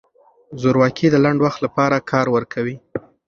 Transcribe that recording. زورواکي د لنډ وخت لپاره کار ورکوي.